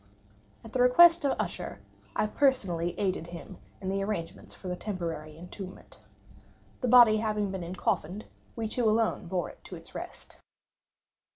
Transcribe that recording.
At the request of Usher, I personally aided him in the arrangements for the temporary entombment. The body having been encoffined, we two alone bore it to its rest.